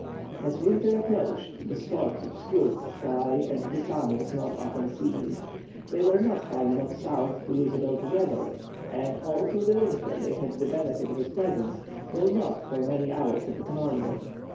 As winter approached, the storms obscured the sky and the sun was not often seen. They were not far enough south to lose it altogether, and all through the winter they had the benefit of its presence, though not for many hours at a time.